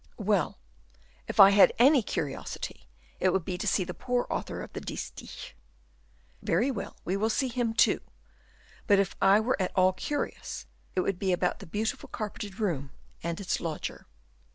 "Well, if had any curiosity, it would be to see the poor author of the distich." "Very well, we will see him, too; but if I were at all curious, it would be about the beautiful carpeted room and its lodger."